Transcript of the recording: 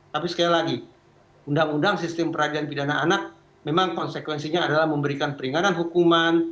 tapi sekali lagi undang undang sistem peradilan pidana anak memang konsekuensinya adalah memberikan peringanan hukuman